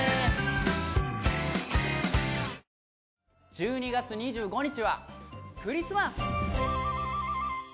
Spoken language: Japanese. １２月２５日はクリスマス！